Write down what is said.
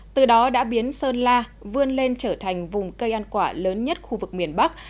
từ đó đã biến sơn la vươn lên trở thành vùng cây ăn quả lớn nhất khu vực miền bắc